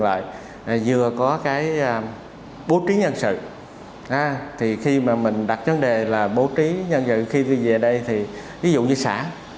lại vừa có cái bố trí nhân sự thì khi mà mình đặt vấn đề là bố trí nhân dự khi về đây thì ví dụ như xã